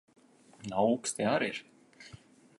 Un auksti ar ir.